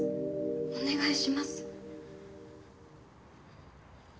お願いします。